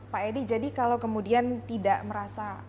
pak edi jadi kalau kemudian tidak merasa